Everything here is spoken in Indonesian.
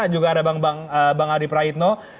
juga ada bang adi praitno